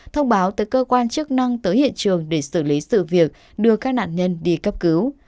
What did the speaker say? thông báo tới cơ quan chức năng tới hiện trường để xử lý sự việc đưa các nạn nhân đi cấp cứu